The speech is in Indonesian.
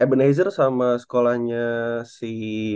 ebenezer sama sekolahnya si